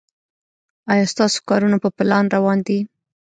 ایا ستاسو کارونه په پلان روان دي؟